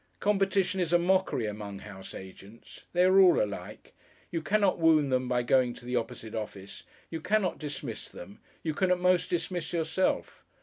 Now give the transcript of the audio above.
Competition is a mockery among house agents, they are all alike, you cannot wound them by going to the opposite office, you cannot dismiss them, you can at most dismiss yourself.